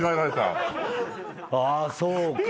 あそうか。